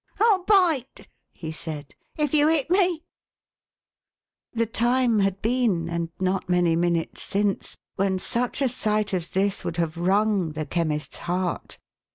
" 111 bite," he said, " if you hit me !" The time had been, and not many minutes since, when such a sight as this would have wrung the Chemist's heart.